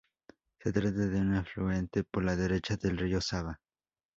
Se trata de un afluente por la derecha del río Sava.